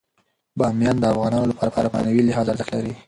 بامیان د افغانانو لپاره په معنوي لحاظ ارزښت لري.